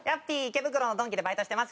池袋のドンキでバイトしてます。